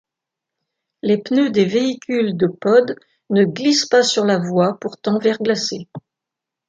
Les pneus des véhicules de Pod ne glissent pas sur la voie, pourtant verglacée.